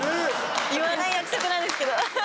言わない約束なんですけど。